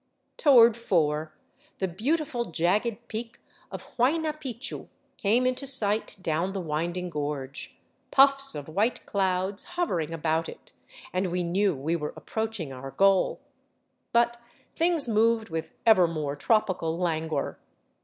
Toward four the beautiful jagged peak of Huayna Picchu came into sight down the winding gorge, puffs of white clouds hovering about it; and we knew we were approaching our goal. But things moved with ever more tropical languor.